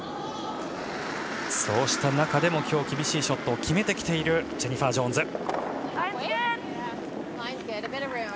そうした中でも今日厳しいショットを決めているジェニファー・ジョーンズ。